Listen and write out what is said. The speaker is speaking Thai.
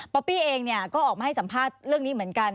อปปี้เองก็ออกมาให้สัมภาษณ์เรื่องนี้เหมือนกัน